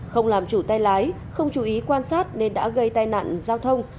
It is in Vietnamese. không làm chủ tay lái không chú ý quan sát nên đã gây tai nạn giao thông